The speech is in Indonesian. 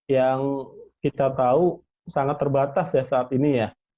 yang kita tahu sangat terbatas ya saat ini ya